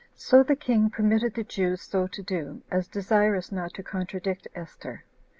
So the king permitted the Jews so to do, as desirous not to contradict Esther.